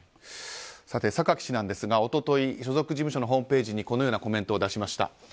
榊氏なんですが、一昨日所属事務所のホームページにこのようなコメントを出しました。